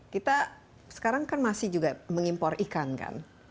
kita sekarang kan masih juga mengimpor ikan kan